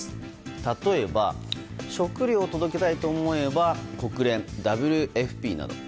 例えば、食料を届けたいと思えば国連ＷＦＰなど。